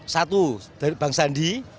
satu dari bang sandi nisa sabian